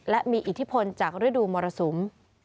และมีอิทธิพลจากฤดูมรสุม